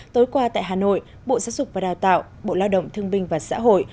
tối qua tại hà nội bộ giáo dục và đào tạo bộ lao động thương binh và xã hội